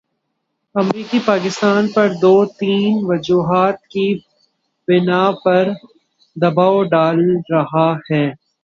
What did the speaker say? امریکی پاکستان پر دو تین وجوہات کی بنا پر دبائو ڈال رہے ہیں۔